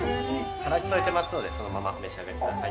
からし添えてますのでそのままお召し上がりください